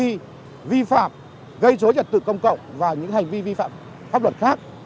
hành vi vi phạm gây chối nhật tự công cộng và những hành vi vi phạm pháp luật khác